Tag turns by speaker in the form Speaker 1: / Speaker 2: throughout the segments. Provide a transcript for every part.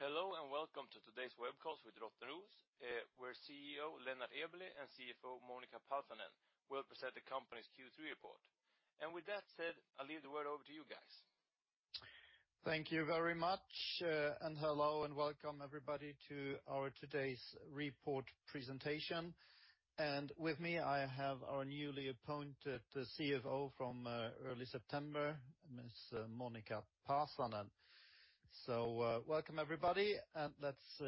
Speaker 1: Hello, and welcome to today's web call with Rottneros, where CEO Lennart Eberleh and CFO Monica Pasanen will present the company's Q3 report. With that said, I'll leave the word over to you guys.
Speaker 2: Thank you very much. Hello, and welcome everybody to our today's report presentation. With me, I have our newly appointed CFO from early September, Ms. Monica Pasanen. Welcome everybody, and let's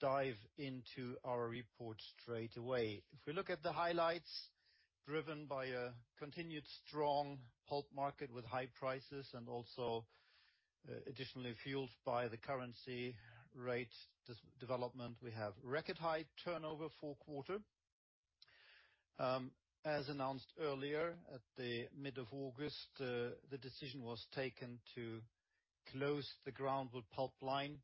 Speaker 2: dive into our report straight away. If we look at the highlights, driven by a continued strong pulp market with high prices and also additionally fueled by the currency rate development, we have record high turnover fourth quarter. As announced earlier, in mid-August, the decision was taken to close the groundwood pulp line.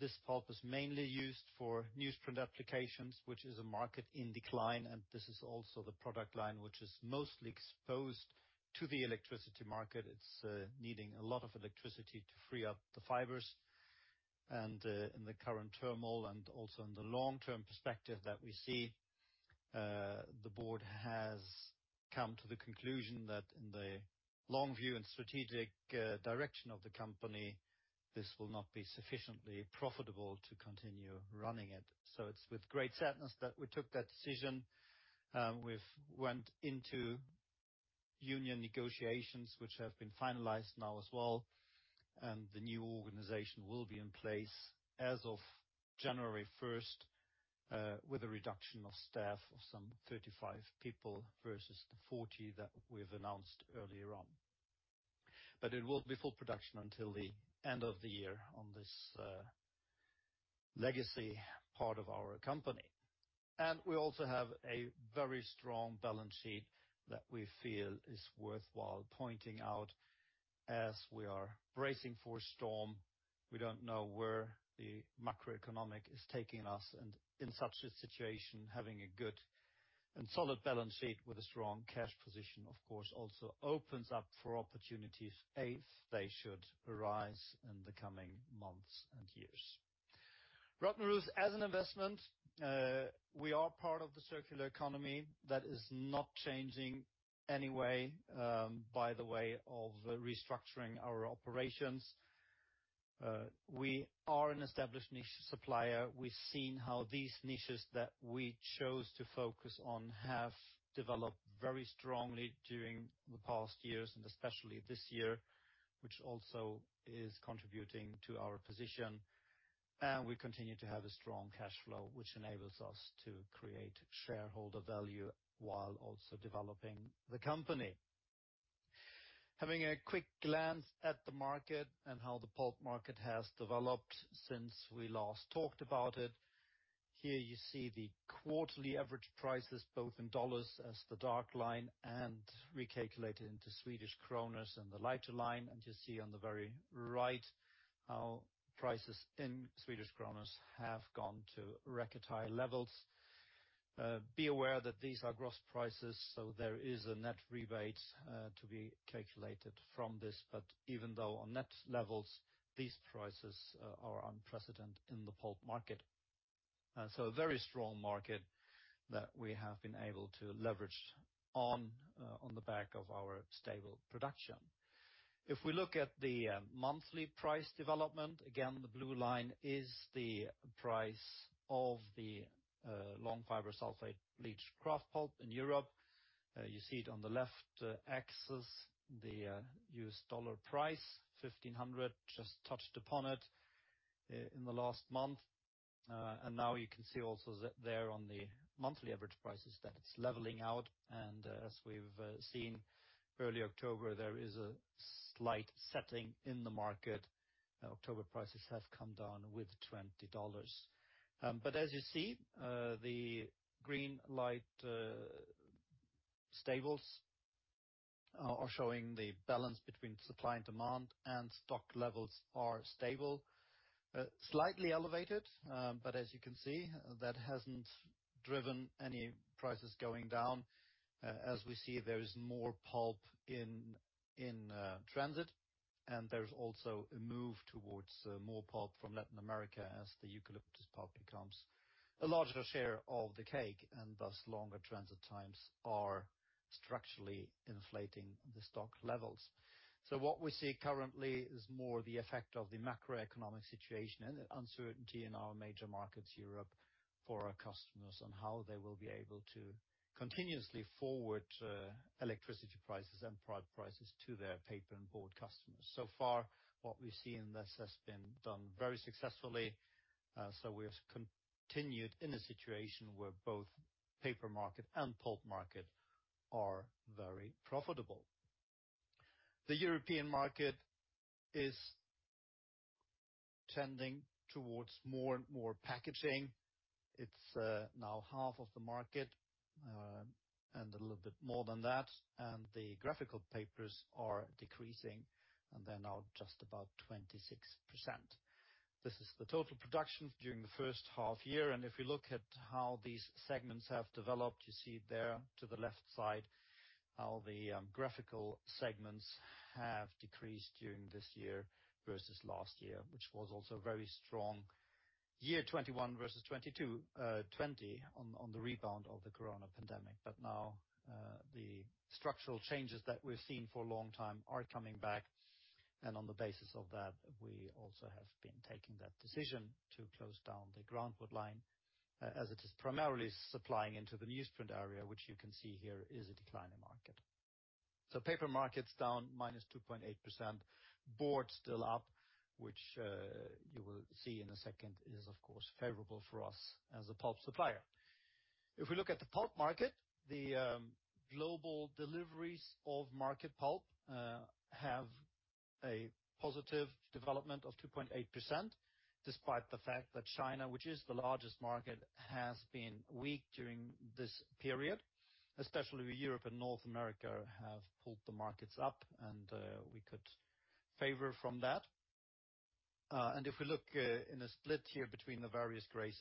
Speaker 2: This pulp is mainly used for newsprint applications, which is a market in decline, and this is also the product line which is mostly exposed to the electricity market. It's needing a lot of electricity to free up the fibers. In the current turmoil, and also in the long-term perspective that we see, the board has come to the conclusion that in the long view and strategic direction of the company, this will not be sufficiently profitable to continue running it. It's with great sadness that we took that decision. We've went into union negotiations, which have been finalized now as well. The new organization will be in place as of January first, with a reduction of staff of some 35 people versus the 40 that we've announced earlier on. It will be full production until the end of the year on this legacy part of our company. We also have a very strong balance sheet that we feel is worthwhile pointing out as we are bracing for a storm. We don't know where the macroeconomy is taking us, and in such a situation, having a good and solid balance sheet with a strong cash position, of course, also opens up for opportunities if they should arise in the coming months and years. Rottneros, as an investment, we are part of the circular economy that is not changing any way, by way of restructuring our operations. We are an established niche supplier. We've seen how these niches that we chose to focus on have developed very strongly during the past years, and especially this year, which also is contributing to our position. We continue to have a strong cash flow, which enables us to create shareholder value while also developing the company. Having a quick glance at the market and how the pulp market has developed since we last talked about it. Here you see the quarterly average prices, both in dollars as the dark line, and recalculated into Swedish kronor in the lighter line. You see on the very right, how prices in Swedish kronor have gone to record high levels. Be aware that these are gross prices, so there is a net rebate to be calculated from this. Even though on net levels, these prices are unprecedented in the pulp market. A very strong market that we have been able to leverage on the back of our stable production. If we look at the monthly price development, again, the blue line is the price of the long fiber sulfate bleached kraft pulp in Europe. You see it on the left axis, the US dollar price, $1,500, just touched upon it in the last month. Now you can see also that, there on the monthly average prices, it's leveling out. As we've seen early October, there is a slight settling in the market. October prices have come down by $20. But as you see, the green line, the tables are showing the balance between supply and demand, and stock levels are stable. Slightly elevated, but as you can see, that hasn't driven any prices going down. As we see, there is more pulp in transit, and there's also a move towards more pulp from Latin America as the eucalyptus pulp becomes a larger share of the take, and thus, longer transit times are structurally inflating the stock levels. What we see currently is more the effect of the macroeconomic situation and the uncertainty in our major markets, Europe, for our customers on how they will be able to continuously forward electricity prices and product prices to their paper and board customers. So far, what we've seen, this has been done very successfully, so we have continued in a situation where both paper market and pulp market are very profitable. The European market is tending towards more and more packaging. It's now half of the market and a little bit more than that, and the graphic papers are decreasing. They're now just about 26%. This is the total production during the first half year. If you look at how these segments have developed, you see there to the left side how the graphical segments have decreased during this year versus last year, which was also very strong. 2021 versus 2022, on the rebound of the Corona pandemic. Now the structural changes that we're seeing for a long time are coming back. On the basis of that, we also have been taking that decision to close down the groundwood line, as it is primarily supplying into the newsprint area, which you can see here is a declining market. Paper market's down minus 2.8%. Board still up, which you will see in a second is of course favorable for us as a pulp supplier. If we look at the pulp market, the global deliveries of market pulp have a positive development of 2.8%, despite the fact that China, which is the largest market, has been weak during this period. Especially Europe and North America have pulled the markets up, and we could benefit from that. If we look in a split here between the various grades,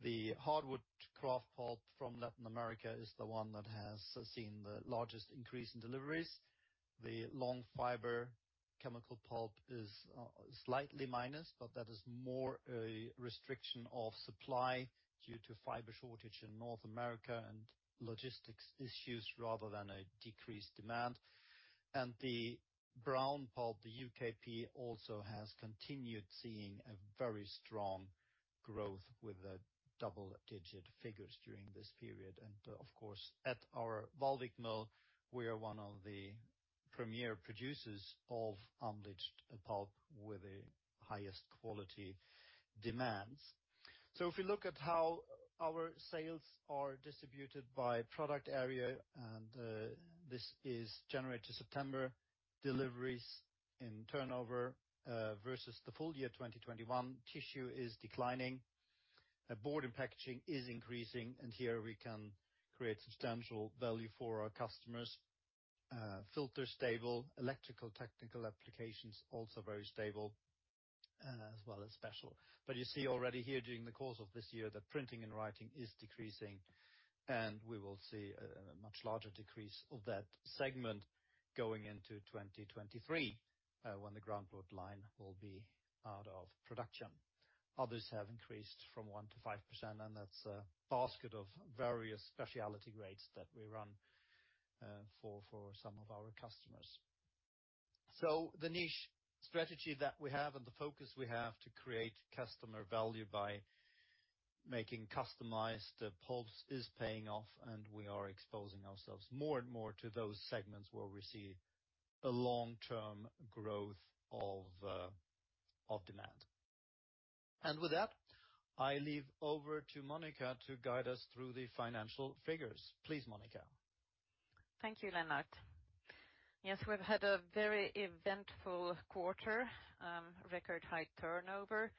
Speaker 2: the hardwood kraft pulp from Latin America is the one that has seen the largest increase in deliveries. The long fiber chemical pulp is slightly minus, but that is more a restriction of supply due to fiber shortage in North America and logistics issues rather than a decreased demand. The brown pulp, the UKP, also has continued seeing a very strong growth with the double-digit figures during this period. Of course, at our Vallvik Mill, we are one of the premier producers of unbleached pulp with the highest quality demands. If we look at how our sales are distributed by product area, this is January to September deliveries in turnover versus the full year 2021, tissue is declining. Board and packaging is increasing, and here we can create substantial value for our customers. Filter stable. Electrotechnical applications, also very stable, as well as special. You see already here during the course of this year that printing and writing is decreasing, and we will see a much larger decrease of that segment going into 2023, when the groundwood line will be out of production. Others have increased from 1%-5%, and that's a basket of various specialty grades that we run for some of our customers. The niche strategy that we have and the focus we have to create customer value by making customized pulps is paying off, and we are exposing ourselves more and more to those segments where we see a long-term growth of demand. With that, I leave over to Monica to guide us through the financial figures. Please, Monica.
Speaker 3: Thank you, Lennart. Yes, we've had a very eventful quarter, record high turnover,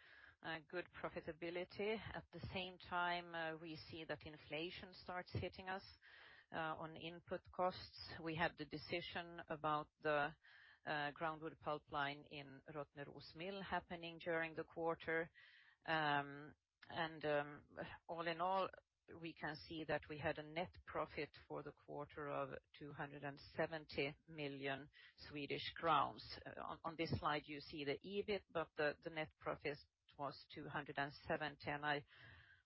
Speaker 3: good profitability. At the same time, we see that inflation starts hitting us, on input costs. We have the decision about the groundwood pulp line in Rottneros Mill happening during the quarter. All in all, we can see that we had a net profit for the quarter of 270 million Swedish crowns. On this slide you see the EBIT, but the net profit was 270 million.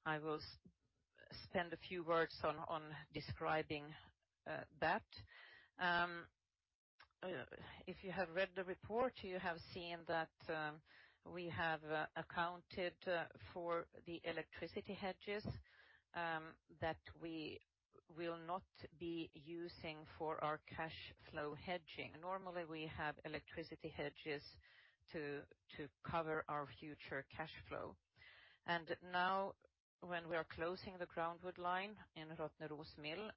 Speaker 3: I will spend a few words on describing that. If you have read the report, you have seen that we have accounted for the electricity hedges that we will not be using for our cash flow hedging. Normally, we have electricity hedges to cover our future cash flow. Now when we are closing the groundwood line in Rottneros Mill,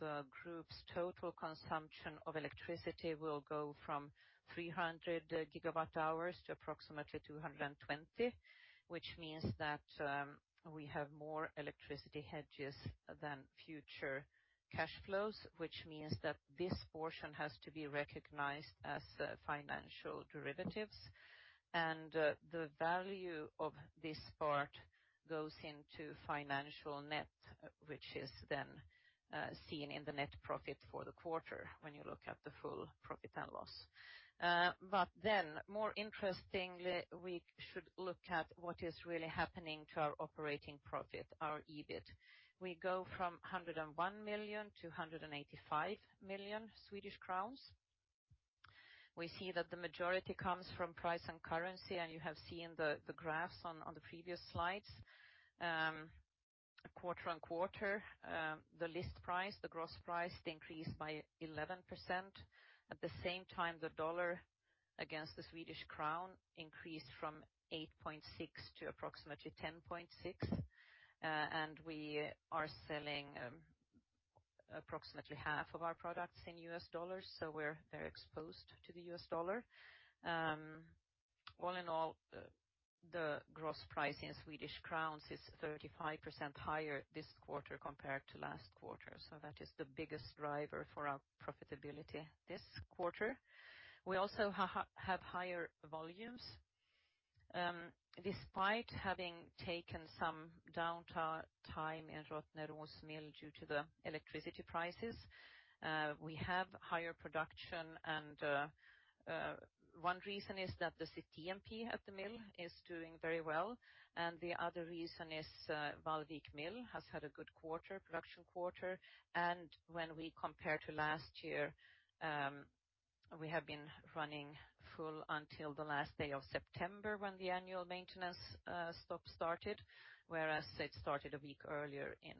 Speaker 3: the group's total consumption of electricity will go from 300 GWh to approximately 220 GWh. That means that we have more electricity hedges than future cash flows, which means that this portion has to be recognized as financial derivatives. The value of this part goes into financial net, which is then seen in the net profit for the quarter when you look at the full profit and loss. More interestingly, we should look at what is really happening to our operating profit, our EBIT. We go from 101 million to 185 million Swedish crowns. We see that the majority comes from price and currency, and you have seen the graphs on the previous slides. Quarter-over-quarter, the list price, the gross price increased by 11%. At the same time, the dollar against the Swedish crown increased from 8.6 to approximately 10.6. We are selling approximately half of our products in US dollars, so we're very exposed to the US dollar. All in all, the gross price in Swedish crowns is 35% higher this quarter compared to last quarter. That is the biggest driver for our profitability this quarter. We also have higher volumes. Despite having taken some downtime in Rottneros Mill due to the electricity prices, we have higher production and one reason is that the CTMP at the mill is doing very well, and the other reason is Vallvik Mill has had a good quarter, production quarter. When we compare to last year, we have been running full until the last day of September, when the annual maintenance stop started, whereas it started a week earlier in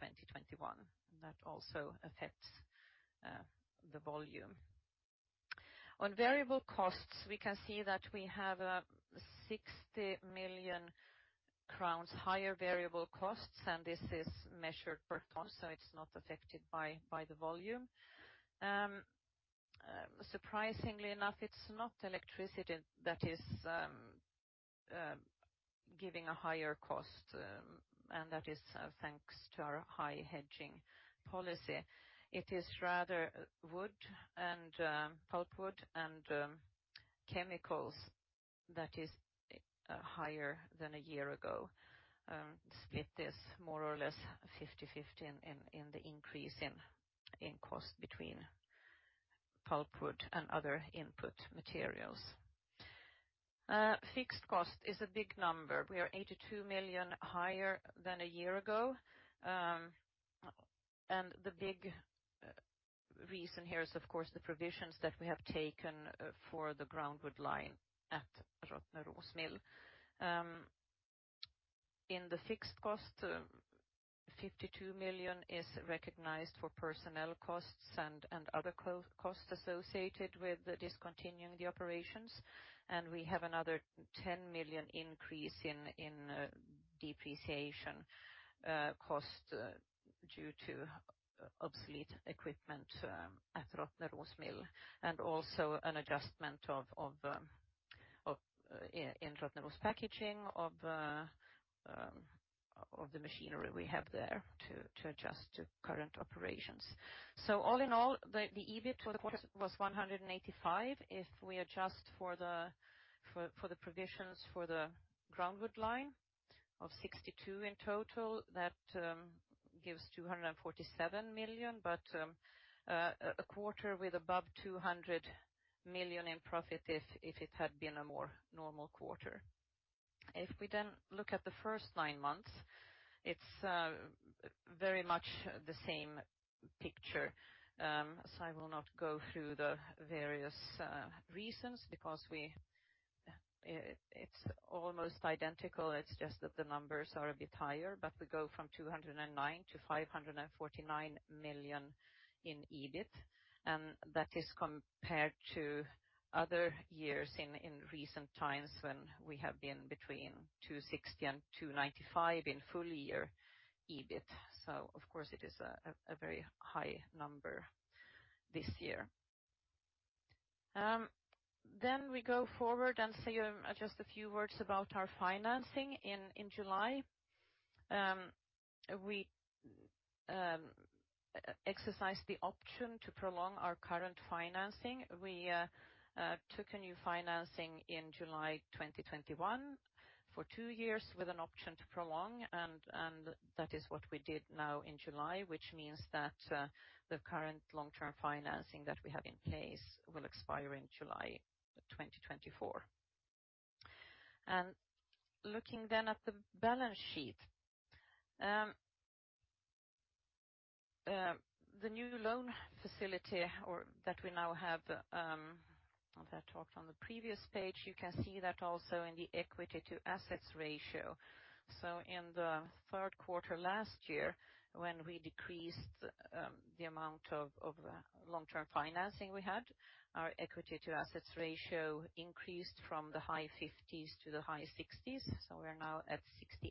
Speaker 3: 2021. That also affects the volume. On variable costs, we can see that we have 60 million crowns higher variable costs, and this is measured per ton, so it's not affected by the volume. Surprisingly enough, it's not electricity that is giving a higher cost, and that is thanks to our high hedging policy. It is rather wood and pulpwood and chemicals that is higher than a year ago. Split this more or less 50/50 in the increase in cost between pulpwood and other input materials. Fixed cost is a big number. We are 82 million higher than a year ago, and the big reason here is of course the provisions that we have taken for the groundwood line at Rottneros Mill. In the fixed cost, 52 million is recognized for personnel costs and other costs associated with discontinuing the operations, and we have another 10 million increase in depreciation cost due to obsolete equipment at Rottneros Mill, and also an adjustment in Rottneros Packaging of the machinery we have there to adjust to current operations. All in all, the EBIT for the quarter was 185 million. If we adjust for the provisions for the groundwood line of 62 in total, that gives 247 million, but a quarter with above 200 million in profit if it had been a more normal quarter. If we then look at the first 9 months, it's very much the same picture, so I will not go through the various reasons because it's almost identical. It's just that the numbers are a bit higher. We go from 209 million to 549 million in EBIT, and that is compared to other years in recent times when we have been between 260 million and 295 million in full year EBIT. Of course it is a very high number this year. Going forward, just a few words about our financing. In July, we exercised the option to prolong our current financing. We took a new financing in July 2021 for two years with an option to prolong and that is what we did now in July, which means that the current long-term financing that we have in place will expire in July 2024. Looking at the balance sheet, the new loan facility that we now have, that I talked on the previous page, you can see that also in the equity to assets ratio. In the third quarter last year, when we decreased the amount of long-term financing we had, our equity to assets ratio increased from the high 50s to the high 60s. We're now at 68%.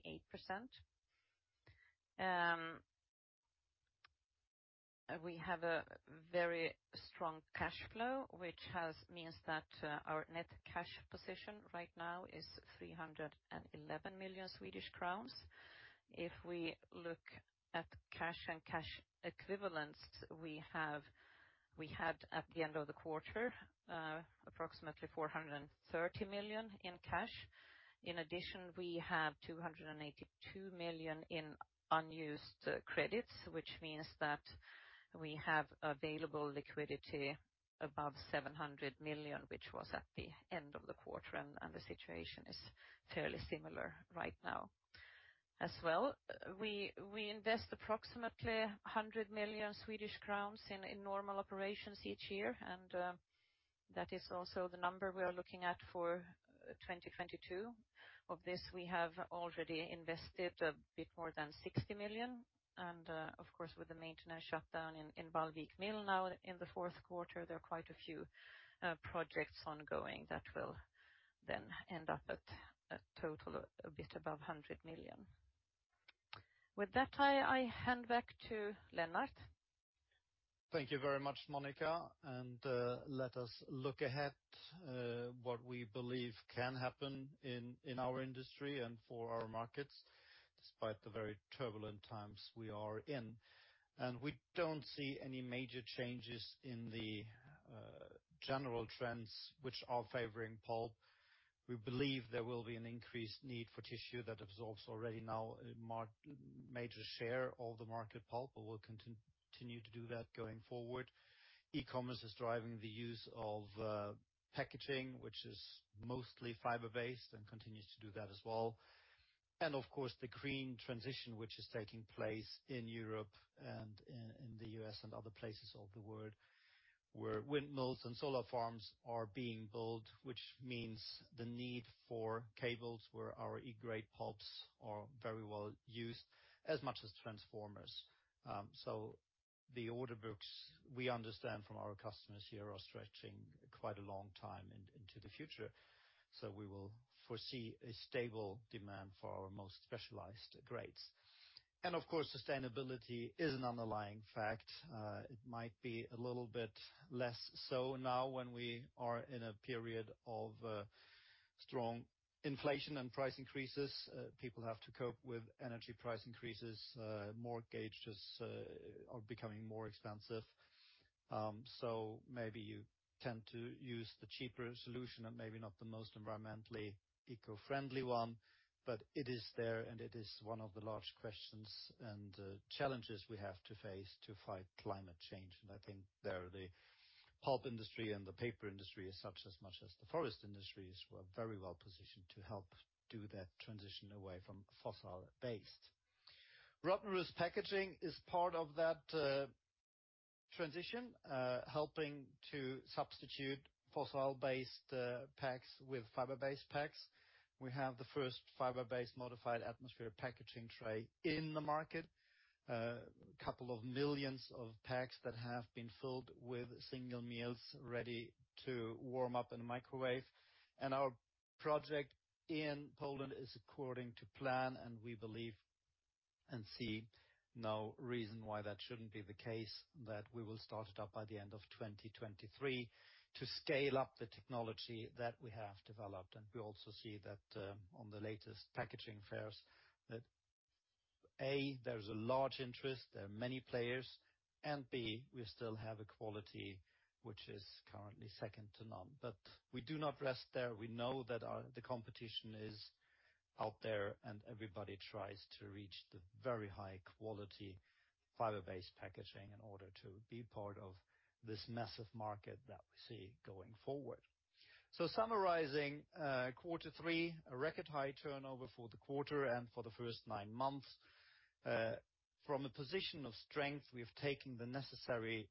Speaker 3: We have a very strong cash flow, which means that our net cash position right now is 311 million Swedish crowns. If we look at cash and cash equivalents, we had at the end of the quarter approximately 430 million in cash. In addition, we have 282 million in unused credits, which means that we have available liquidity above 700 million, which was at the end of the quarter, and the situation is fairly similar right now as well. We invest approximately 100 million Swedish crowns in normal operations each year, and that is also the number we are looking at for 2022. Of this, we have already invested a bit more than 60 million, and of course with the maintenance shutdown in Vallvik Mill now in the fourth quarter, there are quite a few projects ongoing that will then end up at a total a bit above 100 million. With that, I hand back to Lennart.
Speaker 2: Thank you very much, Monica, let us look ahead what we believe can happen in our industry and for our markets despite the very turbulent times we are in. We don't see any major changes in the general trends which are favoring pulp. We believe there will be an increased need for tissue that absorbs already now a major share of the market pulp. We will continue to do that going forward. E-commerce is driving the use of packaging, which is mostly fiber-based and continues to do that as well. Of course, the green transition which is taking place in Europe and in the US and other places of the world, where windmills and solar farms are being built, which means the need for cables where our E-grade pulp are very well used as much as transformers. The order books we understand from our customers here are stretching quite a long time into the future, so we will foresee a stable demand for our most specialized grades. Of course, sustainability is an underlying fact. It might be a little bit less so now when we are in a period of strong inflation and price increases. People have to cope with energy price increases, mortgages are becoming more expensive. Maybe you tend to use the cheaper solution and maybe not the most environmentally eco-friendly one, but it is there, and it is one of the large questions and challenges we have to face to fight climate change. I think that the pulp industry and the paper industry is as much as the forest industries were very well positioned to help do that transition away from fossil-based. Rottneros Packaging is part of that, transition, helping to substitute fossil-based, packs with fiber-based packs. We have the first fiber-based modified atmosphere packaging tray in the market. Couple of millions of packs that have been filled with single meals ready to warm up in the microwave. Our project in Poland is according to plan, and we believe and see no reason why that shouldn't be the case, that we will start it up by the end of 2023 to scale up the technology that we have developed. We also see that, on the latest packaging fairs that, A, there's a large interest, there are many players, and B, we still have a quality which is currently second to none. We do not rest there. We know that, the competition is out there and everybody tries to reach the very high-quality fiber-based packaging in order to be part of this massive market that we see going forward. Summarizing, quarter three, a record high turnover for the quarter and for the first nine months. From a position of strength, we have taken the necessary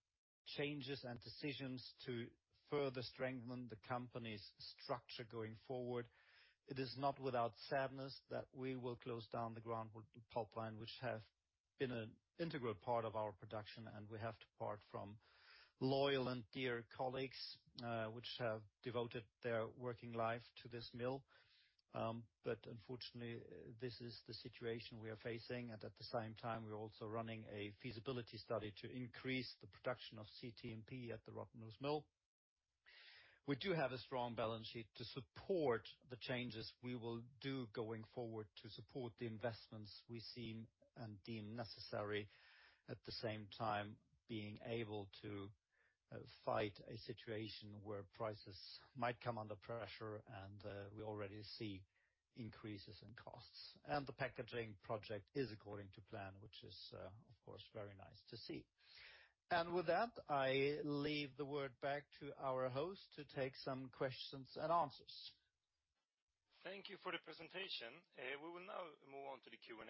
Speaker 2: changes and decisions to further strengthen the company's structure going forward. It is not without sadness that we will close down the groundwood pulp line, which have been an integral part of our production, and we have to part from loyal and dear colleagues, which have devoted their working life to this mill. Unfortunately, this is the situation we are facing. At the same time, we're also running a feasibility study to increase the production of CTMP at the Rottneros Mill. We do have a strong balance sheet to support the changes we will do going forward to support the investments we see and deem necessary, at the same time being able to fight a situation where prices might come under pressure and we already see increases in costs. The packaging project is according to plan, which is, of course, very nice to see. With that, I leave the word back to our host to take some questions and answers.
Speaker 4: Thank you for the presentation. We will now move on to the Q&A.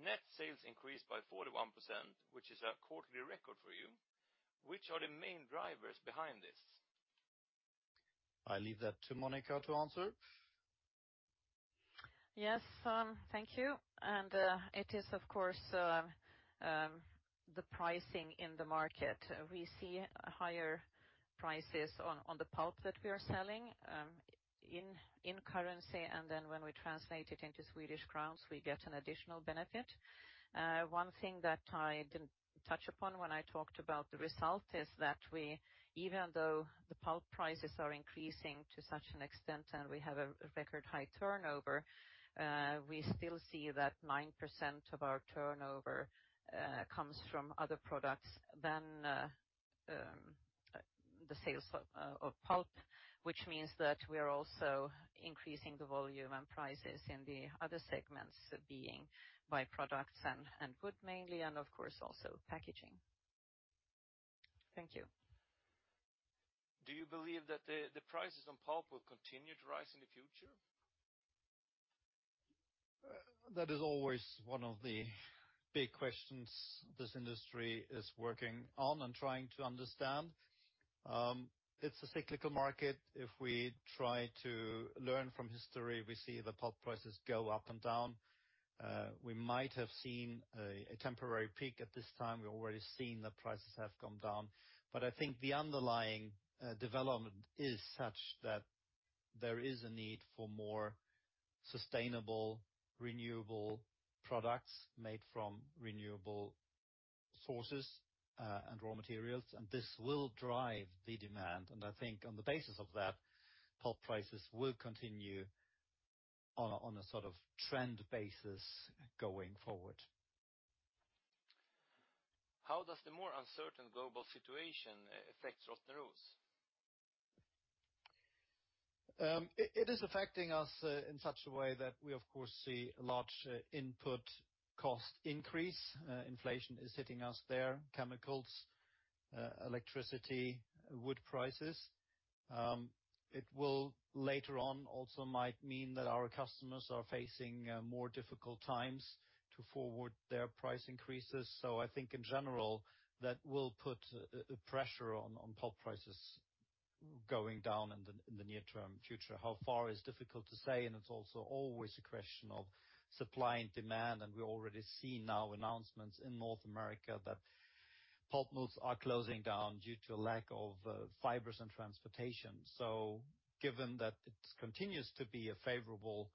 Speaker 4: Net sales increased by 41%, which is a quarterly record for you. Which are the main drivers behind this?
Speaker 2: I leave that to Monica to answer.
Speaker 3: Yes, thank you. It is of course the pricing in the market. We see higher prices on the pulp that we are selling in currency, and then when we translate it into Swedish crowns, we get an additional benefit. One thing that I didn't touch upon when I talked about the result is that we even though the pulp prices are increasing to such an extent and we have a record high turnover, we still see that 9% of our turnover comes from other products than the sales of pulp, which means that we are also increasing the volume and prices in the other segments being byproducts and wood mainly, and of course, also packaging. Thank you.
Speaker 4: Do you believe that the prices on pulp will continue to rise in the future?
Speaker 2: That is always one of the big questions this industry is working on and trying to understand. It's a cyclical market. If we try to learn from history, we see the pulp prices go up and down. We might have seen a temporary peak at this time. We've already seen the prices have come down. I think the underlying development is such that there is a need for more sustainable, renewable products made from renewable sources and raw materials, and this will drive the demand. I think on the basis of that, pulp prices will continue on a sort of trend basis going forward.
Speaker 4: How does the more uncertain global situation affects Rottneros?
Speaker 2: It is affecting us in such a way that we, of course, see a large input cost increase. Inflation is hitting us there, chemicals, electricity, wood prices. It will later on also might mean that our customers are facing more difficult times to forward their price increases. I think in general, that will put pressure on pulp prices going down in the near-term future. How far is difficult to say, and it's also always a question of supply and demand. We already see now announcements in North America that pulp mills are closing down due to lack of fibers and transportation. Given that it continues to be a favorable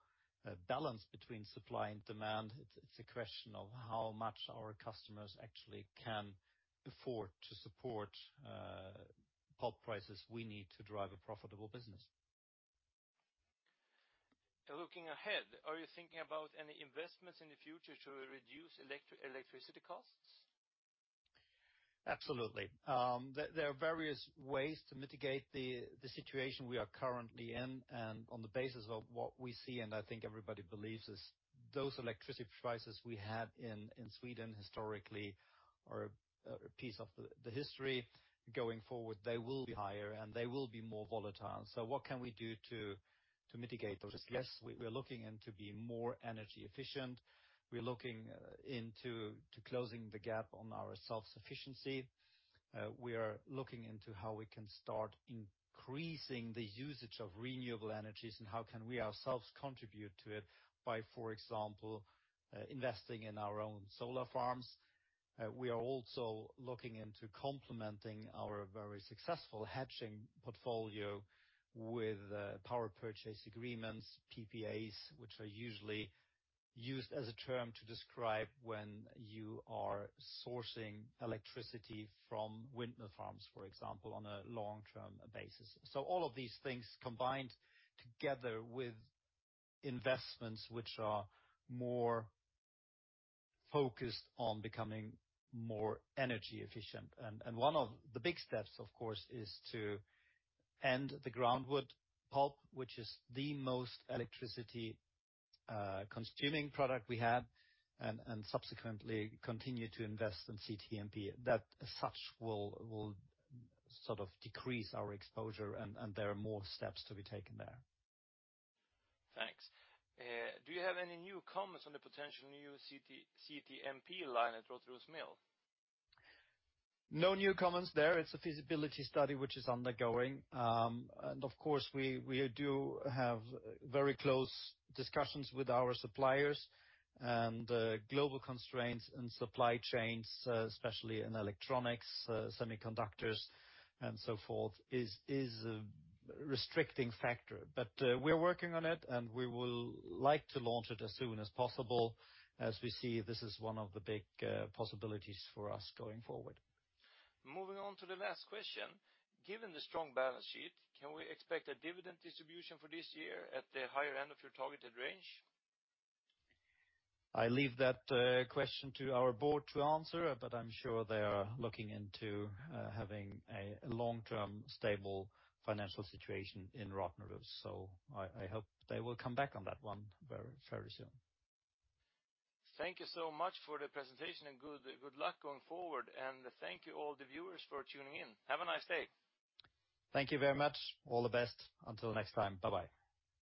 Speaker 2: balance between supply and demand, it's a question of how much our customers actually can afford to support pulp prices we need to drive a profitable business.
Speaker 4: Looking ahead, are you thinking about any investments in the future to reduce electricity costs?
Speaker 2: Absolutely. There are various ways to mitigate the situation we are currently in. On the basis of what we see, and I think everybody believes, is those electricity prices we had in Sweden historically are a piece of the history. Going forward, they will be higher, and they will be more volatile. What can we do to mitigate those risks? We're looking into be more energy efficient. We're looking into closing the gap on our self-sufficiency. We are looking into how we can start increasing the usage of renewable energies, and how can we ourselves contribute to it by, for example, investing in our own solar farms. We are also looking into complementing our very successful hedging portfolio with power purchase agreements, PPAs, which are usually used as a term to describe when you are sourcing electricity from windmill farms, for example, on a long-term basis. All of these things combined together with investments which are more focused on becoming more energy efficient. One of the big steps, of course, is to end the groundwood pulp, which is the most electricity consuming product we have, and subsequently continue to invest in CTMP. That as such will sort of decrease our exposure, and there are more steps to be taken there.
Speaker 4: Thanks. Do you have any new comments on the potential new CTMP line at Rottneros Mill?
Speaker 2: No new comments there. It's a feasibility study which is undergoing. Of course, we do have very close discussions with our suppliers. Global constraints and supply chains, especially in electronics, semiconductors and so forth, is a restricting factor. We're working on it, and we would like to launch it as soon as possible, as we see this is one of the big possibilities for us going forward.
Speaker 4: Moving on to the last question. Given the strong balance sheet, can we expect a dividend distribution for this year at the higher end of your targeted range?
Speaker 2: I leave that question to our board to answer, but I'm sure they are looking into having a long-term stable financial situation in Rottneros. I hope they will come back on that one very, very soon.
Speaker 4: Thank you so much for the presentation and good luck going forward. Thank you all the viewers for tuning in. Have a nice day.
Speaker 2: Thank you very much. All the best. Until next time, bye-bye.